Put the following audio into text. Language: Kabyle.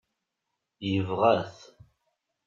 Yebɣa-t.